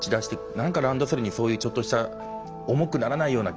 何かランドセルにそういうちょっとした重くならないような機能。